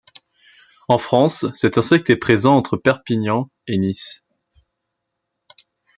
En France, cet insecte est présent entre Perpignan et Nice.